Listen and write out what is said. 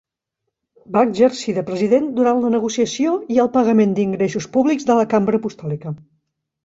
Va exercir de president durant la negociació i el pagament d'ingressos públics de la Cambra Apostòlica.